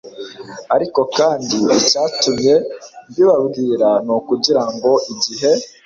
ariko kandi icyatumye mbibabwira ni ukugira ngo igihe